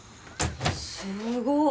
すごっ。